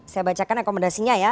saya bacakan rekomendasinya ya